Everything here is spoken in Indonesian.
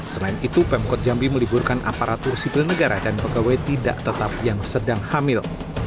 selain itu pemkot jambi meliburkan aparatur sipil negara dan pegawai tidak tetap yang sedang hamil